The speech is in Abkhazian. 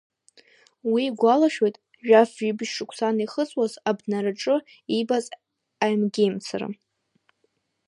Уи игәалашәоит, жәаф-жәибжь шықәса анихыҵуаз, абнараҿы иибаз аимгеимцара…